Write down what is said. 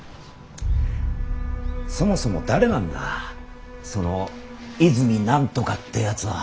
そもそも誰なんだその泉何とかってやつは。